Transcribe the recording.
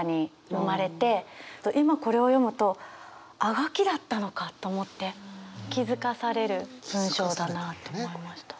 今これを読むとあがきだったのかと思って気付かされる文章だなと思いました。